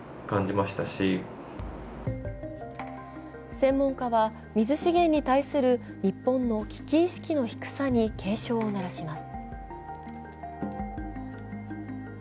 専門家は水資源に対する日本の危機意識の低さに警鐘を鳴らします。